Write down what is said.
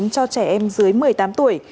cho trẻ em dưới một mươi tám tuổi